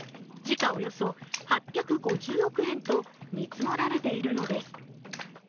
時価およそ８５０億円と見積もられているのです。